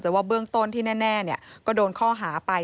แต่ว่าเบื้องต้นที่แน่ก็โดนข้อหาไป